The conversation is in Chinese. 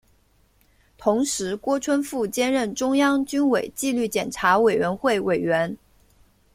同时郭春富兼任中央军委纪律检查委员会委员。